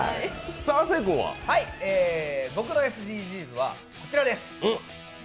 僕のＳＤＧｓはこちらです。